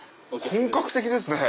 本格的ですね！